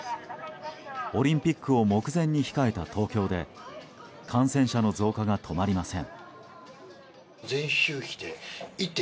オリンピックを目前に控えた東京で感染者の増加が止まりません。